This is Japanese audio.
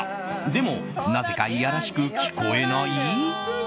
でも、なぜかいやらしく聞こえない？